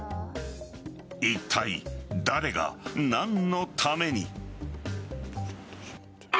いったい誰が何のために。